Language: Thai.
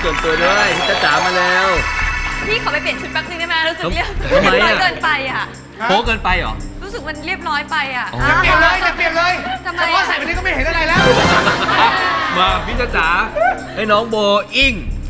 โรบเหลือนได้เลยค่ะวกี้เหรียญดี